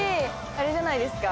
あれじゃないですか？